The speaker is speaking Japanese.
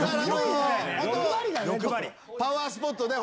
パワースポットで。